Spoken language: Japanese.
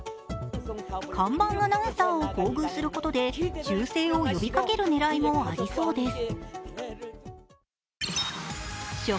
看板アナウンサーを厚遇することで忠誠を呼びかける狙いもありそうです。